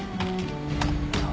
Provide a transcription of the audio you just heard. えっと。